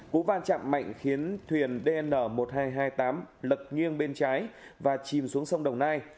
cú va chạm mạnh khiến thuyền dn một nghìn hai trăm hai mươi tám lật nghiêng bên trái và chìm xuống sông đồng nai